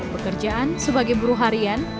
pekerjaan sebagai buruh harian